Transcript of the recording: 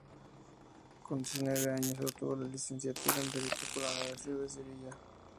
Con diecinueve años obtuvo la licenciatura en Derecho por la Universidad de Sevilla.